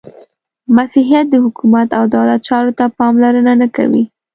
• مسیحیت د حکومت او دولت چارو ته پاملرنه نهکوي.